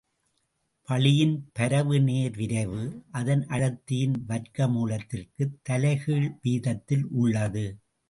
வளியின் பரவு நேர் விரைவு, அதன் அடர்த்தியின் வர்க்கமூலத்திற்குத் தலைகீழ் வீதத்தில் உள்ளது.